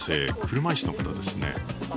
車いすの方ですね。